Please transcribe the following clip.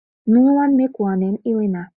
Нунылан ме куанен илена.